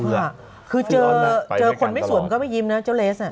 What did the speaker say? สลุกพอคือเจอคนไม่สวยมันก็ไม่ยิมนะเจ้าแลสอ่ะ